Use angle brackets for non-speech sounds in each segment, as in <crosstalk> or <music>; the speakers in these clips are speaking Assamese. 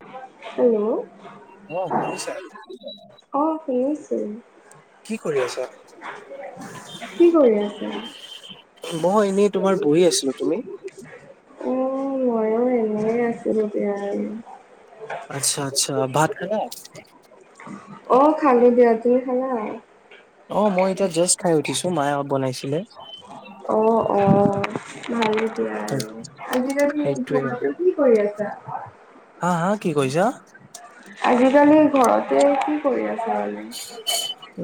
<unintelligible> হেল্ল'। অ শুনিছা? শুনিছোঁ। কি কৰি আছা? কৈ আছা? মই এনেই তোমাৰ বহি আছিলো তুমি? <unintelligible> অ ময়ো এনেই আছিলো দিয়া আৰু। আচ্ছা আচ্ছা ভাত খালা? <unintelligible> অ খালো দিয়া। তুমি খালা? অ মই এতিয়া জাষ্ট খাই উঠিছো মায়ে অলপ বনাইছিলে। অ', অ' ভ এয়া আৰু আজিকালি সেইটোয়ে। ভগাতটো কি কৰি আছা? হা' হা' কি কৈছা? আজিকালি ঘৰতে কি কৰি আছ?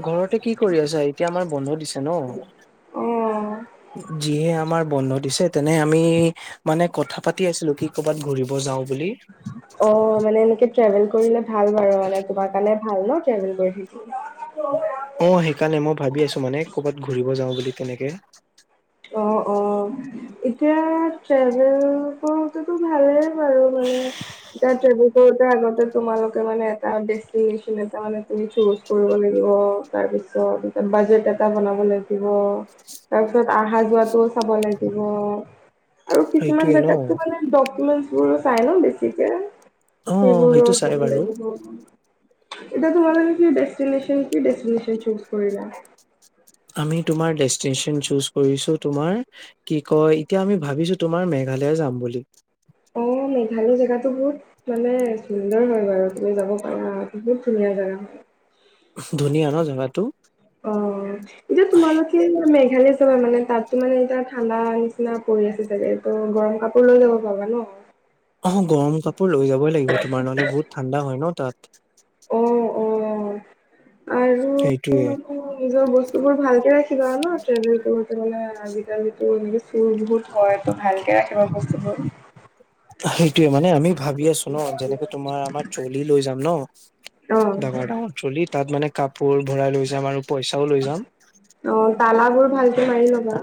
ঘৰতে কি কৰি আছা এতিয়া আমাৰ বন্ধ দিছে। ন' অ যিহে আমাৰ বন্ধ দিছে তেনে আমি মানে কথা পাতি আছিলোঁ কি কবাত ঘূৰিব যাওঁ বুলি। অ' মানে এনেকে ট্ৰেভেল কৰিলে ভাল বাৰু মানে তোমাৰ কাৰণে ভাল ন' ট্ৰেভেল কৰি থ অ' সেইকাৰণে মই ভাবি আছো মানে কৰ'ৰবাত ঘূৰিব যাওঁ বুলি তেনেকে অ' অ' এতিয়া ট্ৰেভেল কৰোতেটো ভালেই আৰু মানে যাত সেইবোৰ আগতে তোমালোকে মানে এটা দেষ্টিনেচন এটা মানে তুমি চুজ কৰিব লাগিব। তাৰ পিছত বাজেট এটা বনাব লাগিব তাৰপিছত অহা যোৱাটো চাব লাগিব আৰু কিছুমান সেইটোয়ে ন। জেগাত মানেকোৰো চাই ন' বেছিকে অ সেইবোৰো সেইটো চাই চাব বাৰু লাগিব। এতিয়া তোমালে কি ডেষ্টিনেচন কি ডেষ্টিনেচন চুজ কৰিলা? আমি তোমাৰ ডেষ্টিনেচন চুজ কৰিছোঁ, তোমাৰ কি কয় এতিয়া আমি ভাবিছোঁ তোমাৰ মে <unintelligible> যাম বুলি। অ' মেঘালয় জেগাটো বহুত মানে সুন্দৰ হয় বাৰু তুমি যাব পাৰা বহুত ধুনীয়া <unintelligible> ধুনীয়া ন' জাগাটো? অ'হ। এতিয়া তোমালোকে মানে মেঘালয় নহয় মানে তাতটো মানে এতিয়া ঠাণ্ডা নিচিনা পৰি আছে ছাগে। ত' গৰমকাপোৰ লৈ যাব পাবা ন। অ', গৰম কাপোৰ লৈ যাবই লাগিব তোমাৰ নহ'লে বহুত ঠাণ্ডা হয় ন' তাত। অ', অ'। আৰু, সেইটোয়ে নিজৰ বস্তুবোৰ ভালকে ৰাখিবা ট্ৰেভেল আজিকালিতো চুৰ বহুত হয়, ত' ভালকে ৰাখিবা বস্তুবোৰ সেইটোয়ে মানে আমি ভাবি আছোঁ ন। যেনেকে তোমাৰ আমাৰ ট্ৰলী লৈ যাম ন, অ', ডাঙৰ- ডাঙৰ ট্ৰলী তাত মানে কাপ কাপোৰ ভৰাই লৈ যাম আৰু পইচাও লৈ যাম। অ', তালাবোৰ ভালকে মাৰি ল'বা।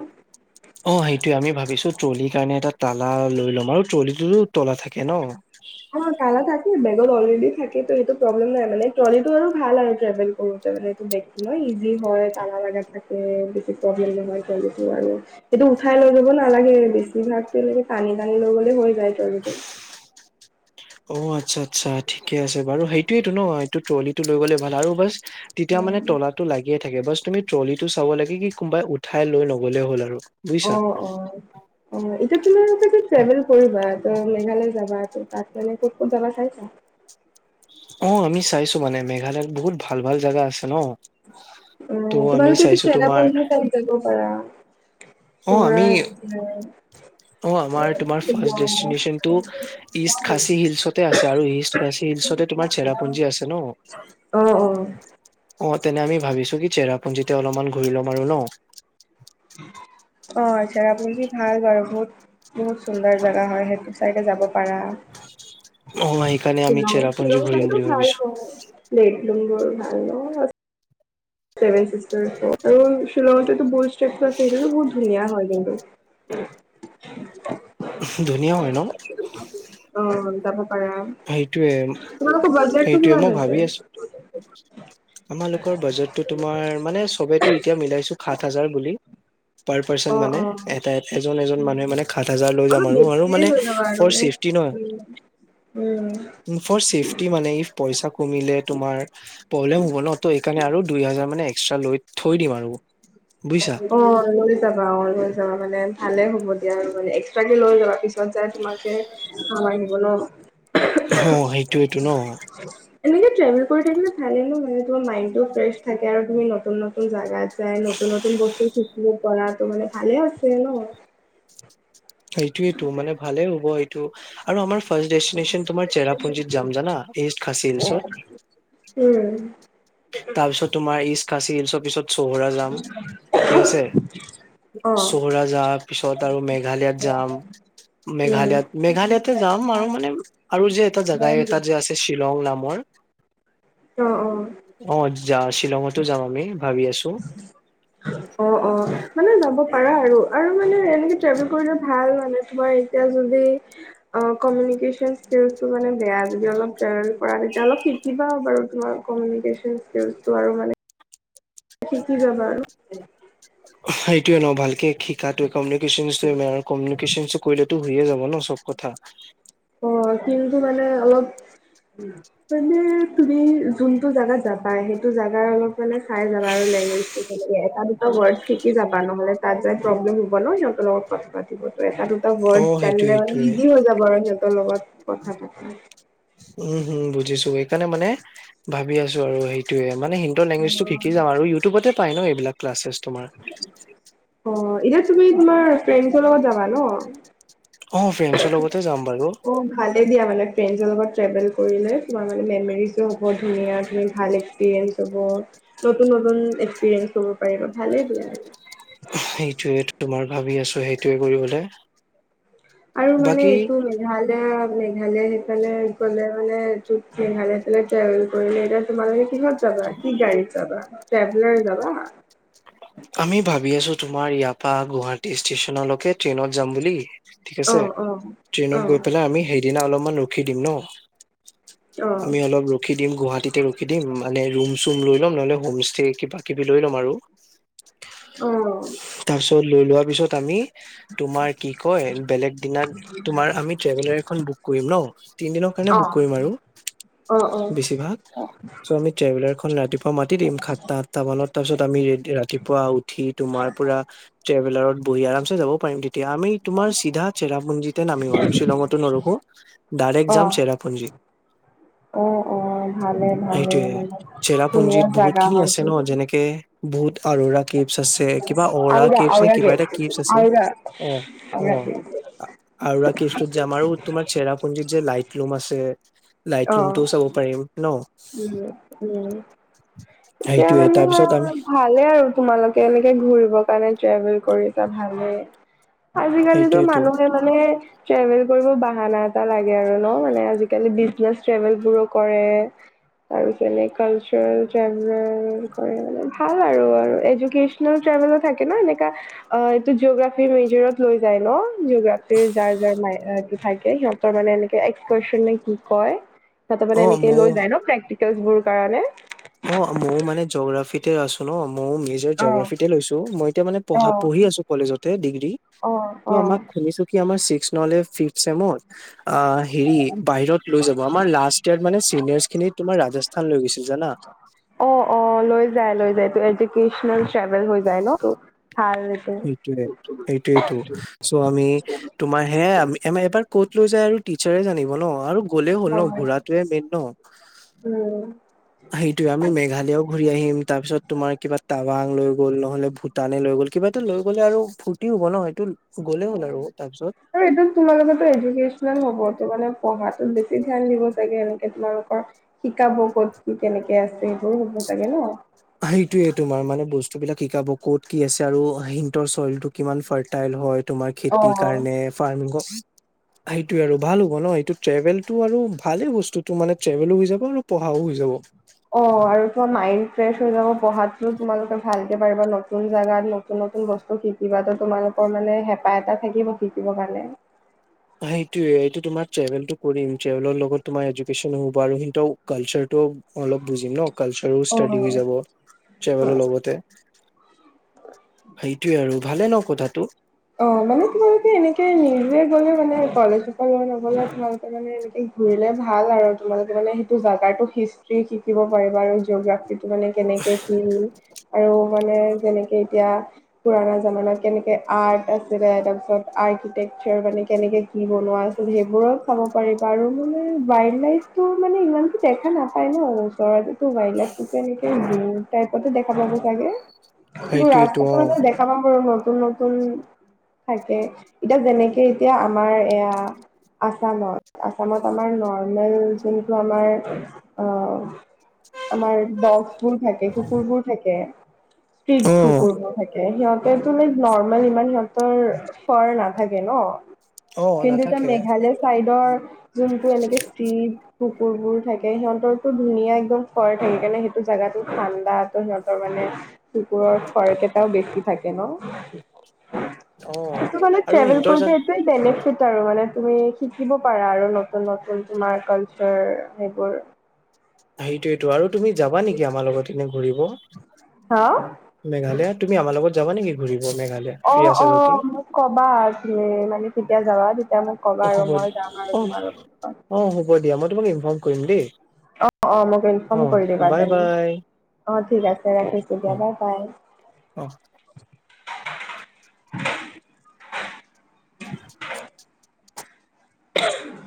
অ সেইটোয়ে আমি ভাবিছোঁ ট্ৰলিৰ কাৰণে এটা তালা লৈ লম। আৰু ট্ৰলিটোতো তলা থাকে ন? অ', তালা থাকে বেগত অলৰেডি থাকে ত' সেইটো প্ৰব্লেম নাই মানে ট্ৰলিটো আৰু ভাল আৰু ট্ৰেভেল কৰোঁ। তে বেগটো ইজি হয়, তালা লগা থাকে। বেছি প্ৰব্লেম নহয় ট্ৰলীটো আৰু এইটো উঠাই লৈ যাব নালাগে। বেছিভাগটো এনেকে টানি- টানি লৈ গ'লে হৈ যায় ট্ৰলীটো <inaudible> অ আচ্ছা। আচ্ছা। ঠিকে আছে বাৰু। সেইটোৱেইতো ন এইটো ট্ৰলীটো লৈ গ'লে ভাল আৰু বাচ তেতিয়া মানে উম। তলাটো লাগিয়ে থাক থাকে বাছ তুমি ট্ৰলিটো চাব লাগে কি কোনোবাই উঠাই লৈ নগ'লে হ'ল আৰু। অ' বুজিছা। অ' অ'এতিয়া তোমাৰ তাতে ট্ৰেভেল কৰিবা। ত' মেঘালয় যাবা ত' তাত মানে ক'ত ক'ত যাবা চাইছা? অ', আমি চাইছোঁ মানে মেঘালয়ত বহুত ভাল ভাল জাগা আছে ন'। ত' অ'হ। আমি তোমালোকেটো চাইছো তোমাৰ এইটো চেৰাপুঞ্জীৰ চাইদ যাব অ আমি পাৰা। চোৰা আছে। অ', আমাৰ তোমাৰ ফাৰ্ষ্ট ডেষ্টিনেচনটো, ইষ্ট খাচী হিলচতে আছে আৰু ইষ্ট খাচী হিল পিছতে তোমাৰ চেৰাপুঞ্জী আছে ন'। অ', অ'। অ', তেনে আমি ভাবিছোঁ কি চেৰাপুঞ্জীতে অলপমান ঘুৰি ল'ম আৰু ন'। অ আচ্ছা। চেৰাপুঞ্জী ভাল বাৰু বহুত। বহুত চুন্দৰ জাগা হয়, সেইটো চাইডে যাব পাৰা। অ সেইকাৰণে আমি চেৰাপুঞ্জী ঘূৰিম বুলি ভাবিছো <unintelligible> <unintelligible> ছেভেন চিষ্টাৰ ফল, শ্বিলঙতেতো বুলষ্টেছে আছে। সেইটোতো বহুত ধুনীয়া হয় কিন্তু। <inaudible> <inaudible> ধুনীয়াও হয় ন? অ' যাব পাৰা। সেইটোয়ে তোমালোকৰ বাজেটটো সেইটোয়ে কিমান মই হৈছে? ভাবি আছো আমালোকৰ বাজেটটো তোমাৰ মানে চবেটো এতিয়া মিলাইছো সাত হাজাৰ বুলি। পাৰ পাৰ্চন অ', মানে, অ', এটা এজন এজন মানুহে মানে সাত হাজাৰ লৈ যাম অলপ আৰু আৰু বেছিয়ে মানে লৈ যাবা আৰু for safe um um. For safety মানে ইফ পইচা কমিলে তোমাৰ প্ৰব্লেম হ'ব ন ত এইকাৰণে আৰু দুই হাজাৰ মানে এক্সট্ৰা লৈ থৈ দিম আৰু। বুজিছা অ'হ। লৈ যাব অ' লৈ যাবা মানে ভালে হ'ব দিয়া। মানে এক্সট্ৰাকে লৈ যাবা পি ত' যাই কেনে তোমাকে কাম আহিব ন। অ সেইটোয়েটো ন এনেকে ট্ৰেভেল কৰি থাকিলে ভালে ন মানে তোমাৰ মাইনডটো ফ্ৰেছ থাকে আৰু তুমি নতুন নতুন জাগাত যাই নতুন নতু শিকিব পৰাটো মানে ভালে আছে ন? সেইটোৱেটো মানে ভালে হ'ব এইটো আৰু আমাৰ ফাৰ্ষ্ট ডেষ্টিনে্চন তোমাৰ, চেৰাাপুঞ্জিত যাম জানা, ইষ্ট খাচিল চত। উম <unintelligible> তাৰপিছত তোমাৰ ইষ্ট খাচী হিলছৰ পিছত চৌহৰা যাম ঠিক আছে। অ চোহৰা জাহা পিছত আৰু মেঘালিয়ত যাম। উম মেঘালয়ত। মেঘালয়তে যাম আৰু মানে আৰু যে এটা জোগাই এটা যে আছে শ্বিলং নাম। <unintelligible> অহ', অহ'। অ, যা শ্বিলঙতো যাম আমি ভাবি আছো। অহ', অহ' মানে যাব। জানিব পাৰা আৰু। আৰু মানে মানে ট্ৰেভেল কৰিলে ভাল মানে। এ ট্ৰেভেল বিৰি <unintelligible> অহ,। কমিউনিকেচন স্কিলছটো মানে বেয়া যি অলপ ট্ৰেভেল কৰা, তেতিয়া অলপ শিকিবা বাৰু তোমাৰ কমিউনিকেচন <unintelligible> আৰু মানে। শিকি যাবা আৰু। সেইটোৱেই ন ভালকে শিকোতো, কমিউনিকেশ্বনটোৱেই বেয়া, কমিউনিকেশ্বনটো কৰিলেটো। ঘূৰিয়ে যাব ন, চব কথা। অহ' কিন্তু মানে অলপ। মানে তুমি যোনটো জাগাত জাবা সেইটো জাগাৰ অলপ মানে চাই যাব আৰু লেংগুৱেজটো কেনেকে তাত দুটা ভ্ৰইচ্ শিকি যাবা। নহ'লে তাত যায় প্ৰব্লেম হ'ব ন সিহঁতৰ লগত কথা পাতিবলে, এটা দুটা। অ ব্ৰৰদ্ সেইটোয়ে জানিলে মানে সেইটোয়ে ইজি হৈ যাব। আৰু সিহঁতৰ লগত কথা পাতিব। উম', হম, বুজিছো সেইকাৰণে মানে, ভাবি আছো আৰু সেইটোৱে। মানে হিন্দুৰ লেংগুৱেজ টো শিকি যাাম আৰু। ইউটিউবতে পাই ন এইবিলাক ক্লাছেছ তোমাৰ। অ' এতিয়া তুমি, তোমাৰ ফ্ৰেণ্ডছৰ লগত যাবা ন। অ ফ্ৰেণ্ডছৰ লগতে যাম বাৰু অ' ভালেই দিয়া মানে। ফ্ৰেণ্ডছৰ লগত ট্ৰেভেল কৰিলে তোমাৰ মানে মেম'ৰিছোঁ হ'ব ধুনীয়া তুমি ভাল এক্সপিৰিয়েঞ্চ হ'ব। নতুন নতুন এক্সপিৰিয়েন্ঞ্চ হব পাৰিব ভালেই দিয়ে আৰু। সেইটোৱেইটো তোমাৰ ভাবি আছো, সেইটোৱেই কৰিবলে। আৰু মানে বাকী এইটো মেঘালয়ত। মেঘালয় সেইফালে গ'লে মানে, তোক মেঘালয় ফালে ট্ৰেভেল কৰিলে, এতিয়া তোমালোকে কিহত যাবা। ৰাতি গাড়ীত যাবা। কেব লৈ যাবা। আমি ভাবি আছো, তোমাৰ ইয়াৰ পৰা গুৱাহাটী ষ্টেচনলৈকে ট্ৰেইনত যাম বুলি। ঠিক অ আছে। অ অ ট্ৰেইনত গৈ পেলাই আমি সেইদিনা অলপমান ৰখি দিম ন। অ আমি অলপ ৰখি দিম, গুৱাহাটীতে ৰখি দিম মানে ৰুম। চুম লৈ ল'ম নহ'লে, হোম ষ্টে কিবা কিবি লৈ ল'ম আৰু। অ', ট'ল লৈ লোৱা পিছত আমি তোমাৰ কি কয় বেলেগ দিনাত তুমাৰ আমি ট্ৰেভেলাৰ এখন বুক কৰিম ন তিন দনৰ <unintelligible> অ বুক কৰিম আৰু বেছিভাগ স, আমি ট্ৰেভেলাৰ। খন ৰাতিপুৱা মাতি দিম। সাতটা আঠটা মান তাৰ পিছত আমি ৰাতিপুৱা উঠ উঠি তোমাৰ পুৰা, ট্ৰেভেলাৰত বহি আৰামচে যাবও পাৰিম তেতিয়া। আমি তোমাৰ চিধা চেৰাপুঞ্জীতে। নামি আৰু শ্বিলংতো নৰখো। ডাইৰেক্ট অ অ যাম চেৰাপুঞ্জীত। অ', অ', হয় ভালে ভালে সেইটোৱে এনেকৈ। শুনি চেৰাপুঞ্জীত আছা। <unintelligible> অ'ৰ'ৰা কেভছ আছে কিবা অৰা আওৰা কেভছ নে আওৰা কিবা গে এটা কেভছ আছে আওৰা অ', আওৰা অ', আ, আউৰা কিষ্টোত যে আমাৰো তোমাৰ চেৰা পুঞ্জীৰ যে, লাইটলুম আছে। লাইট অহ', লুমটোও চাব পাৰিম ন উম', উম'। এতিয়া সেইটোয়ে মানে, তাৰপিছত আমি ভালে আৰু। তোমালোকে এনেকে ঘূৰিবৰ কাৰণে ট্ৰেভেল কৰিছা, ভালেই। আজিকালিতো সেইটোয়েটো মানুহে মানে। ট্ৰেভেল কৰিব বাহানা এটা লাগে আৰু ন, মানে আজিকালি জাৰ্চ ট্ৰেভেল বোৰো কৰে। <unintelligible> ট্ৰেভেল ও থাকে ন এনেকা অ এইটো জিঅ'গ্ৰাফী মেজৰত লৈ যায় ন, জিঅ'গ্ৰাফী যাৰ যাৰ নাই। কি থাগে সিহঁতৰ মানে এনেকে এক্সন নে কি কয় সিহঁতৰ অ মানে এনেকে ময়ো লৈ যায় ন প্ৰেক্টিকেল কাৰণে। অ' মোৰ মানে জগ্ৰাফিতে আছো ন। মই মেজৰ অ জঅগ্ৰাফিতে লৈছো মই এতিয়া মানে অ পঢ পঢ়ি আছো কলেজতে ডিগ্ৰী। অ ত অ আমাক খুনিছো চিকচ নহলে ফিটত ফিফ চছেম অ হেৰি বাহিৰত লৈ যাব আমাৰ লাষ্ট ইয় মানে চিনিয়ৰ্ খিনি তোমাৰ ৰাজস্থান লৈ গৈছিল জানা। অ অ লৈ যায় লৈ যায় এডলভেল হৈ যায় ন তো সটোয়ে এইটোয়েইটো চ' আমি তোমাৰ হে আম আমাৰ এবাৰ কত লৈ যাই আৰু টিচাৰে জানিব ন আৰু গ'লেই হ'ল ন হয় ঘোৰাটোৱে মেইন ন। উম। সেইটোয়ে আমি মেঘালয়ও ঘূৰি আহিম তাৰ পিছত তোমাৰ কিবা াব ৱং লৈ গ'ল নহ'লে ভূটানে লৈ গ'ল কিবা এটা লৈ গ'লে আৰু ফূৰ্তি হ'ব ন। গ'লেই অ' হ'ল তাৰপিছত আৰু এইটো তোমালোকো এডুকেচনেল হব তো মানে পঢ়াত বেছি ধ্যান দিব চাগে এনেকে তোমালোকৰ শিকাব ক'ত কি কেনেকে আছে সবোৰ হ'ব চাগে ন। সেইটোয়ে তোমাৰ মানে বস্তু বিলাক কি কাব ক'ত কি আছে আৰু সিহতৰ চইলটো কিমান ফাৰ্টাইল হয়। তোমাৰ অ খেতিৰ কাৰণে ফাৰ্মিং কছ সেইটোোৱে আৰু ভাল হ'ব ন সটো ট্ৰেভেলটো আৰু ভালেই বস্তুটো মানে ট্ৰেভেলো হৈ যাব আৰু পঢ়াও হৈ যাব। পঢ়াতটো তোমালোকে ভালকৈ পাৰা নতুন জেগাত নতুন নতুন বস্তু শিকিবা তোমালোকৰ মানে পা এটা থাকিব শিকিব পালে। সেইটোয়ে এইটো তোমাৰ ট্ৰেভেলটো কৰিম ট্ৰেভেলৰ লগত তোমাৰ এডুকেচনো হ'ব আৰু কি কালচাৰটো অলপ বুজিম ন কালচাৰ ষ্টডি অ হৈ যাব ট্ৰেভেলৰ লগতে। সেইটোয়ে আৰু ভালে ন কথাতটো। অ' মানে তোমালোকে এনেকে নিজে গলে মানে কলেজ পৰা লৈ নগলে তোমালোকে মানে এনে ঘুৰিলে ভাল আৰু তোমালোকে মানে সেইটো জাগগাতো হিষ্ট্ৰি শিকিব পাৰিবা আৰু জিঅগ্ৰাফি। মানে কেনেকে কি আৰু মানে যেনেকে এতিয়া পুৰণা জামানত কেনেকে আৰ্ট আছিলে তাৰপিছত আৰ্কিটেকচাৰ মানে কেনেকে কি বনোৱা আছিল সেইবোৰ চাব পাৰিবা আৰু। মান ৱাইল্ড লাইফ তটো মানে ইমানতো দেখা নাপায় ন ওচৰতেো ৱাইলড লাইফ টো এনেকে টাইপতে দেখা পাব চাগে কি সেইটোয়েটো ৰাস্তাখন অ দেখা পাম বাৰ নতুন নতুন। থাকে এতিয়া যেনেকে এতিয়া আমাৰ এয়া আছামত আছামত আমাৰ নৰ্মেল যোনটো আমাৰ অ আমাৰ দ্ বোৰ থাকে কুকুৰবোৰ থাকে। অ সুকুৰ ন থাকে সিহঁতেটোে নৰ্মেল ইমান সিহত তৰ ফৰ নাথাকে ন। অ কিন্তু এতিয়া নাথাকে মেঘালয় চাইডৰ যোনটো এনেকে্ কুকুৰবোৰ থাকে সিহঁতৰো ধুনীয়া একদম খৰ থাকে কাৰণে সেইটো জোগাতো ঠাণ্ডা সিহঁতৰ মানে। কুকুৰৰ খৰক এটাও বেছি থাকে ন। <inaudible> ত আৰু কালে ্ৰেভেল সিহঁতৰ জান কৰতে দলে আৰু মানে তুমি শিকিব পাৰা আৰু নতুন নতুন তোমাৰ কালচাৰ সেইবোৰ। সেইটোয়টো আৰু তুমি যাবা নেকি আমাৰ লগত এনে ঘূৰিব। হা মেঘালয় তুমি আমাৰ লগত যাবা নেকি ঘূৰি? অ অ মোক কবা আছিলে মানে কেতিয়া যাবা? এতিয়া মোক কবা অ আৰু হ'ব মই যাম আৰু অ তোমাৰ লগত। অ হ'ব দিয়া মই তোমাক ইনফৰ্ম কৰিম দেই। অ অ মোক অ ইনফৰ্ম কৰি দিবা বাই জান। বাই অ' ঠিক আছে ৰাখিছোঁ দিয়া অ বাই বাই। অ'। <unintelligible>